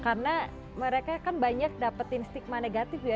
karena mereka kan banyak dapatin stigma negatif ya